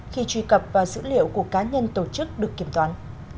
khi truy cập vào dữ liệu của cá nhân tổ chức được kiểm toán